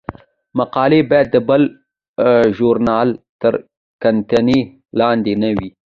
مقالې باید د بل ژورنال تر کتنې لاندې نه وي.